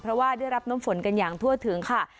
เพราะว่าได้รับน้ำฝนกันอย่างทั่วถึงค่ะ